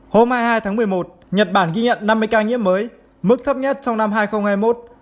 hôm hai mươi hai tháng một mươi một nhật bản ghi nhận năm mươi ca nhiễm mới mức thấp nhất trong năm hai nghìn hai mươi một